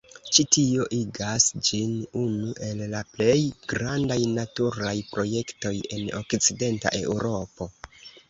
Ĉi tio igas ĝin unu el la plej grandaj naturaj projektoj en Okcidenta Eŭropo.